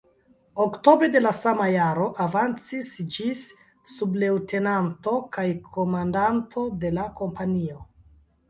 Oktobre de la sama jaro avancis ĝis subleŭtenanto kaj komandanto de kompanio.